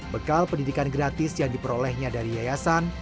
bekal pendidikan gratis yang diperolehnya dari yayasan